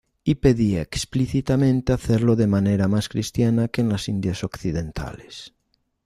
Y pedía explícitamente hacerlo de manera más cristiana que en las Indias Occidentales.